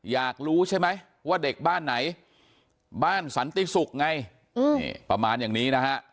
อยากรู้ใช่ไหมว่าเด็กบ้านไหนบ้านสันติศุกร์ไงประมาณอย่างนี้นะฮะ